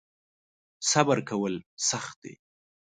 صبر کول سخت دی .